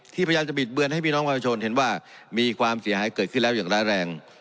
พยายามจะบิดเบือนให้พี่น้องประชาชนเห็นว่ามีความเสียหายเกิดขึ้นแล้วอย่างร้ายแรง